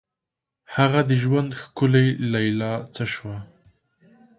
هغه د ژوند ښکلي لیلا څه شوه؟